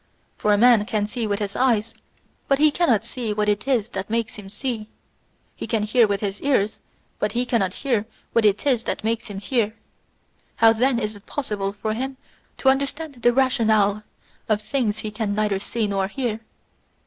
For a man can see with his eyes, but he cannot see what it is that makes him see ; he can hear with his ears, but he cannot hear what it is that makes him hear ; how, then, is it possible for him to understand the rationale of things he can neither see nor hear.